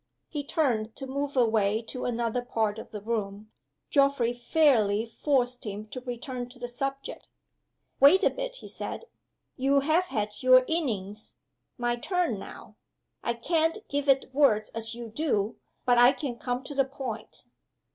He turned to move away to another part of the room. Geoffrey fairly forced him to return to the subject. "Wait a bit," he said. "You have had your innings. My turn now. I can't give it words as you do; but I can come to the point.